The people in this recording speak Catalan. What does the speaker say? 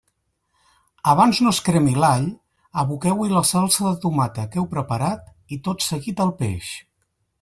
Abans no es cremi l'all, aboqueu-hi la salsa de tomata que heu preparat i tot seguit el peix.